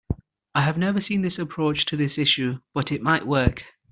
I have never seen this approach to this issue, but it might work.